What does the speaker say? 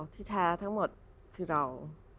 ที่แท้ทั้งหมดคือเรา